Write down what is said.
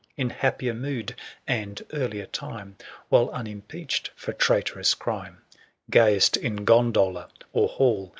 In happier mood, and earlier time^ While unimpeached for traitorous crime, Gayest in gondola or hall.